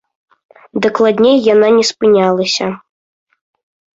Дакладней, яна не спынялася.